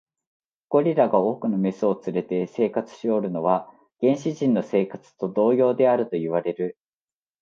ゴリラが多くの牝を連れて生活しおるのは、原始人の生活と同様であるといわれる。